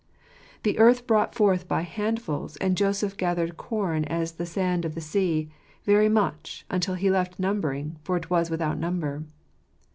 "The earth brought forth by handfuls; and Joseph gathered com as the sand of the sea, very much, until he left numbering, for it was without number."